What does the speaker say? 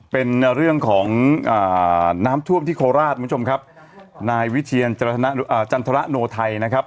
เป็นเรื่องของน้ำท่วลที่โคลาสคุณผู้ชมครับ